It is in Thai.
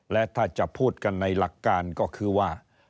และถ้าจะพูดกันในหลักการก็คือว่า